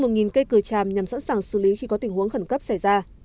trên một cây cửa tràm nhằm sẵn sàng xử lý khi có tình huống khẩn cấp xảy ra